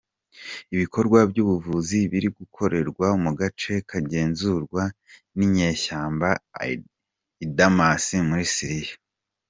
Ibikorwa by'ubuvuzi biri gukorwa mu gace kagenzurwa n'inyeshyamba i Damas muri Siriya.